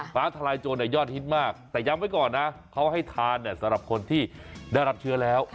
ฟ้าทลายโจรยอดฮิตมากแต่ย้ำไว้ก่อนนะเขาให้ทานสำหรับคนที่ได้รับเชื้อแล้ว